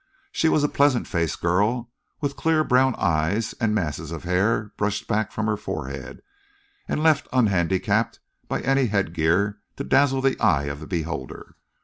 She was a pleasant faced girl, with clear brown eyes and masses of hair brushed back from her forehead and left unhandicapped by any headgear to dazzle the eye of the beholder.